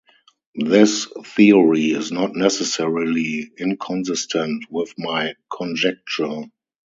This theory is not necessarily inconsistent with my conjecture.